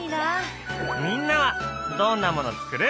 みんなはどんなもの作る？